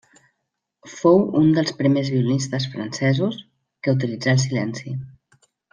Fou un dels primers violinistes francesos, que utilitzà el silenci.